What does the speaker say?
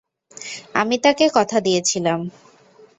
আমি তাকে কথা দিয়েছিলাম।